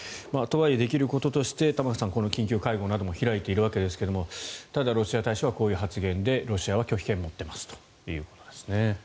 とはいえできることとして玉川さん、緊急会合なども開いているわけですがただ、ロシア大使はこういう発言でロシアは拒否権を持っていますということです。